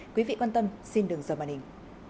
quý vị quan tâm xin đừng dờ màn hình